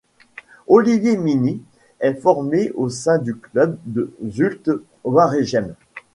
Olivier Myny est formé au sein du club de Zulte Waregem.